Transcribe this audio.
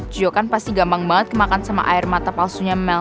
cio kan pasti gampang banget kemakan sama air mata palsunya mel